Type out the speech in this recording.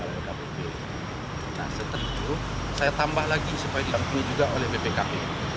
nah setelah itu saya tambah lagi supaya dilalui juga oleh bpkp